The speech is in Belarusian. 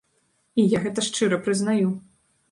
І я гэта шчыра прызнаю.